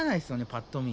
パッと見。